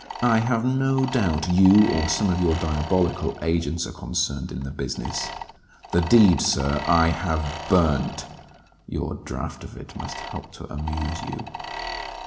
I have no doubt you or some of your diabolical agents are concerned in the business. The deed, Sir, I have burned. Your draught of it must help to amuse you.